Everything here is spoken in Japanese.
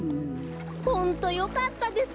ホントよかったです。